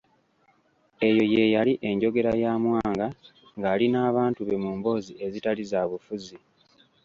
Eyo ye yali enjogera ya Mwanga ng'ali n'abantu be mu mboozi ezitali za bufuzi.